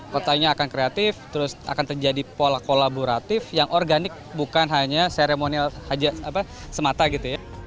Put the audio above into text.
kotanya akan kreatif terus akan terjadi pola kolaboratif yang organik bukan hanya seremonial semata gitu ya